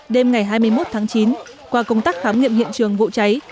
đêm ngày hai mươi một tháng chín qua công tác khám nghiệm hiện trường vụ cháy